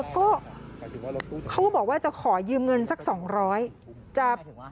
ก็เขาก็บอกว่าจะขอยืมเงินสัก๒๐๐บาท